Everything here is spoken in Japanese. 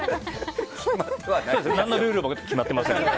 何のルールも決まってません。